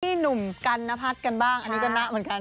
หนุ่มกันนพัฒน์กันบ้างอันนี้ก็นะเหมือนกัน